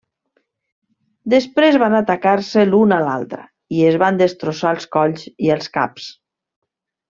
Després van atacar-se l'una a l'altra, i es van destrossar els colls i els caps.